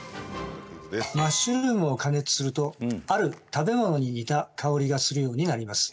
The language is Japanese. マッシュルームを加熱するとある食べ物に似た香りがするようになります。